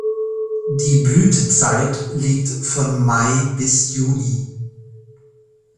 Die Blütezeit liegt von Mai bis Juni.